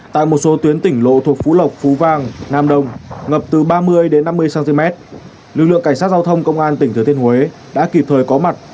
tại một số tuyến tỉnh lộ thuộc phú lộc phú vang nam đông ngập từ ba mươi đến năm mươi cm lực lượng cảnh sát giao thông công an tỉnh thừa thiên huế đã kịp thời có mặt